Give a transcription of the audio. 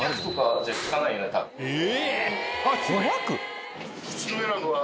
え！